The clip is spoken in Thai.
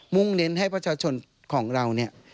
่งเน้นให้ประชาชนของเราเนี่ย